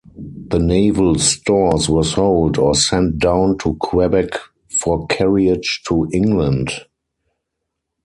The naval stores were sold, or sent down to Quebec for carriage to England.